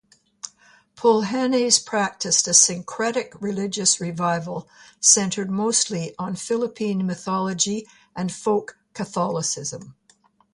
Pulahanes practiced a syncretic religious revival centered mostly on Philippine mythology and Folk Catholicism.